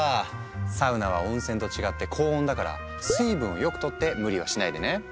サウナは温泉と違って高温だから水分をよくとって無理はしないでね。